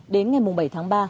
đến ngày bảy tháng ba